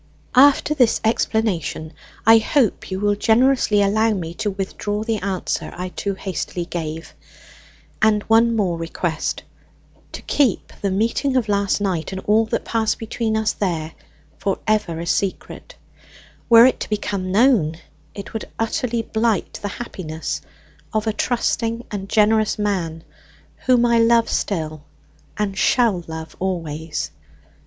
"After this explanation I hope you will generously allow me to withdraw the answer I too hastily gave. "And one more request. To keep the meeting of last night, and all that passed between us there, for ever a secret. Were it to become known, it would utterly blight the happiness of a trusting and generous man, whom I love still, and shall love always.